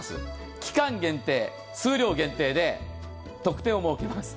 期間限定、数量限定で特典を設けます。